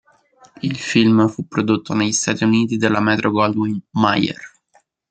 Il film fu prodotto negli Stati Uniti dalla Metro-Goldwyn-Mayer.